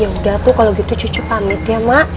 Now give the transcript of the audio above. ya udah tuh kalau gitu cucu pamit ya mak